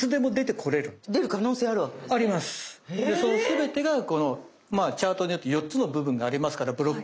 その全てがこのチャートによって４つの部分がありますからブロックが。